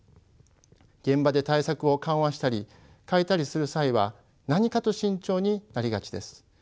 現場で対策を緩和したり変えたりする際は何かと慎重になりがちです。